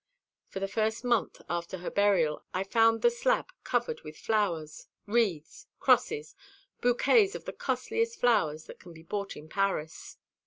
For the first month after her burial I found the slab covered with flowers, wreaths, crosses, bouquets of the costliest flowers that can be bought in Paris.